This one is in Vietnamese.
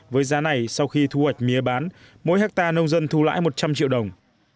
với giá này sau khi thu hoạch mía bán mỗi hectare nông dân thu lãi một trăm linh triệu đồng